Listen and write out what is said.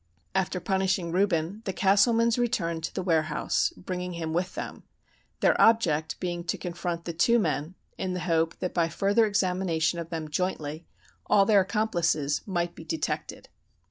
"After punishing Reuben, the Castlemans returned to the warehouse, bringing him with them; their object being to confront the two men, in the hope that by further examination of them jointly all their accomplices might be detected.